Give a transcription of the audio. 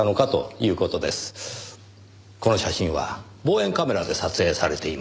この写真は望遠カメラで撮影されています。